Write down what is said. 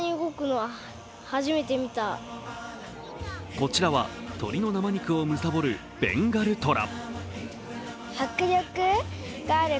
こちらは鶏の生肉をむさぼるベンガルトラ。